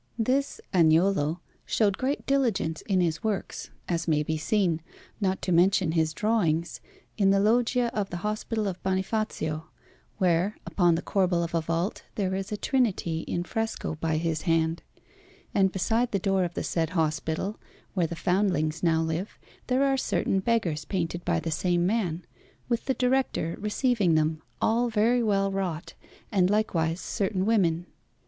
This Agnolo showed great diligence in his works, as may be seen, not to mention his drawings, in the loggia of the Hospital of Bonifazio, where, upon the corbel of a vault, there is a Trinity in fresco by his hand; and beside the door of the said hospital, where the foundlings now live, there are certain beggars painted by the same man, with the Director receiving them, all very well wrought, and likewise certain women.